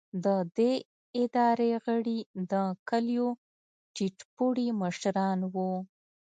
د دې ادارې غړي د کلیو ټیټ پوړي مشران وو.